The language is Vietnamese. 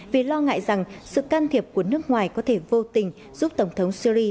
vì lo ngại rằng sự can thiệp của nước ngoài có thể vô tình giúp tổng thống syri